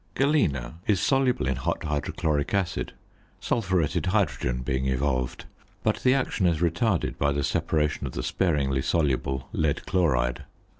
Galena is soluble in hot hydrochloric acid, sulphuretted hydrogen being evolved; but the action is retarded by the separation of the sparingly soluble lead chloride.